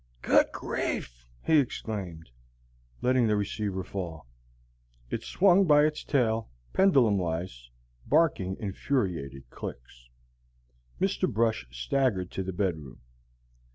"Good grief!" he exclaimed, letting the receiver fall. It swung by its tail, pendulum wise, barking infuriated clicks. Mr. Brush staggered to the bedroom.